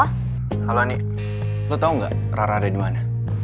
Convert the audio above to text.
halo ani lo tau gak rara ada dimana